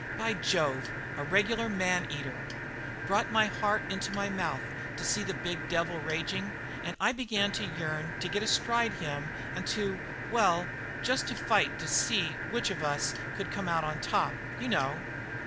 By Jove, a regular maneater! Brought my heart into my mouth to see the big devil raging, and I began to yearn to get astride him and to well, just fight to see which of us would come out on top. You know?"